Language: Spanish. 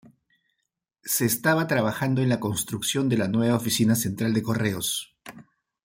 Se estaba trabajando en la construcción de la nueva Oficina Central de Correos.